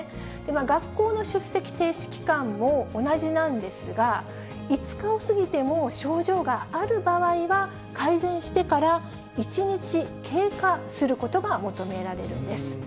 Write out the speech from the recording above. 学校の出席停止期間も同じなんですが、５日を過ぎても症状がある場合は、改善してから１日経過することが求められるんです。